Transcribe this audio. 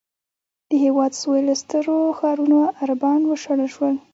د هېواد سوېل له سترو ښارونو عربان وشړل شول.